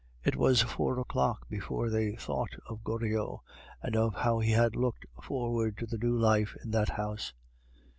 It was four o'clock before they thought of Goriot, and of how he had looked forward to the new life in that house.